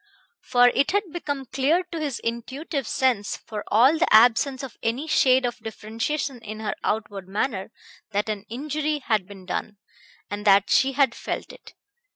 For it had become clear to his intuitive sense, for all the absence of any shade of differentiation in her outward manner, that an injury had been done, and that she had felt it.